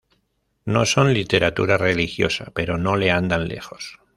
No son literatura religiosa, pero no le andan lejos.